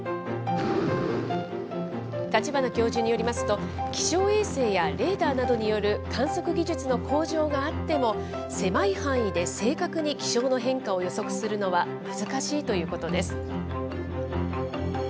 立花教授によりますと、気象衛星やレーダーなどによる観測技術の向上があっても、狭い範囲で正確に気象の変化を予測するのは、難しいということです。